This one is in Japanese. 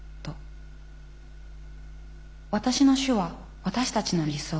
私の主は私たちの理想。